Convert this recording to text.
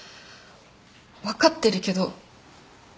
分かってるけど。